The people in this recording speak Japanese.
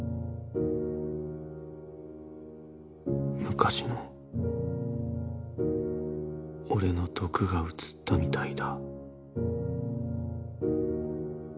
昔の俺の毒がうつったみたいだ